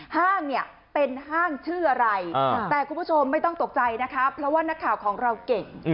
ห้างเนี่ยเป็นห้างชื่ออะไรแต่คุณผู้ชมไม่ต้องตกใจนะคะเพราะว่านักข่าวของเราเก่ง